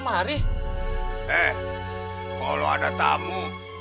masa berapa aja lu